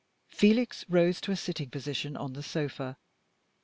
Felix rose to a sitting position on the sofa.